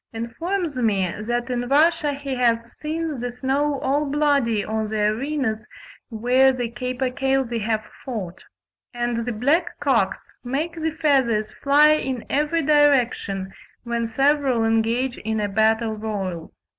Kovalevsky informs me that in Russia he has seen the snow all bloody on the arenas where the capercailzie have fought; and the black cocks "make the feathers fly in every direction," when several "engage in a battle royal."